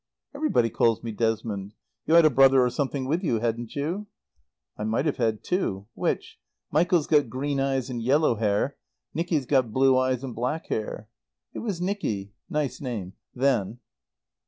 "Everybody calls me Desmond. You had a brother or something with you, hadn't you?" "I might have had two. Which? Michael's got green eyes and yellow hair. Nicky's got blue eyes and black hair." "It was Nicky nice name then."